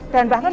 dan bahkan dunia